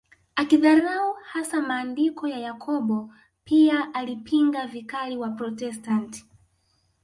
Akidharau hasa maandiko ya Yakobo pia alipinga vikali Waprotestant